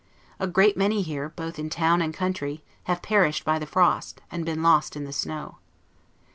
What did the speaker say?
A great many here, both in town and country, have perished by the frost, and been lost in the snow.